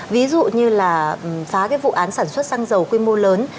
ví dụ như là phá cái vụ án sản xuất xăng dầu quy mô lớn